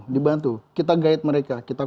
dibantu kita guide mereka kita